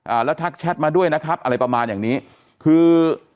อ่าแล้วทักแชทมาด้วยนะครับอะไรประมาณอย่างนี้คือ